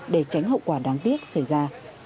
để tránh hậu quả đáng tiếc xảy ra